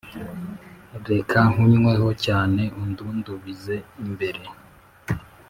Reka nkunyweho cyane undundubize imbere